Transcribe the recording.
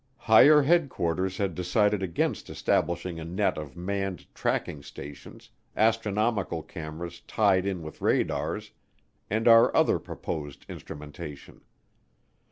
Higher headquarters had decided against establishing a net of manned tracking stations, astronomical cameras tied in with radars, and our other proposed instrumentation.